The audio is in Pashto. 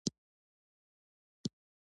زغال د افغانستان د طبیعت برخه ده.